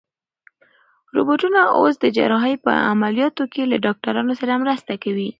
روبوټونه اوس د جراحۍ په عملیاتو کې له ډاکټرانو سره مرسته کوي.